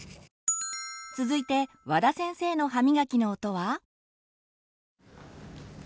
続いて和田先生の歯みがきの音は。